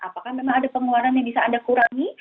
apakah memang ada pengeluaran yang bisa anda kurangi